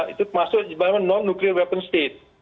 itu termasuk sebenarnya non nuclear weapon state